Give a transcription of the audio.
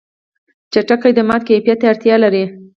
چټک خدمات کیفیت ته اړتیا لري.